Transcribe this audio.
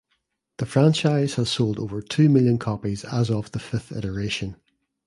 The franchise has sold over two million copies as of the fifth iteration.